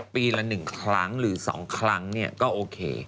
ปีละ๑ครั้งหรือ๒ครั้งก็โอเค